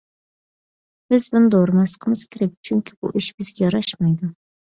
بىز بۇنى دورىماسلىقىمىز كېرەك، چۈنكى بۇ ئىش بىزگە ياراشمايدۇ.